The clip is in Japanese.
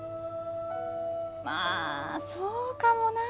まあそうかもなあ。